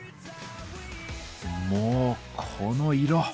もうこの色！